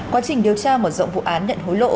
quá trình điều tra một rộng vụ án đận hối lộ